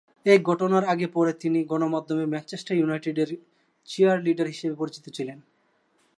এই ঘটনার আগে-পরে তিনি গণমাধ্যমে ম্যানচেস্টার ইউনাইটেডের চিয়ার-লিডার হিসেবেই পরিচিত ছিলেন।